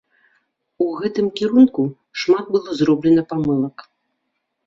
У гэтым кірунку шмат было зроблена памылак.